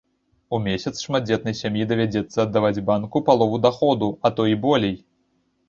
У месяц шматдзетнай сям'і давядзецца аддаваць банку палову даходу, а то і болей.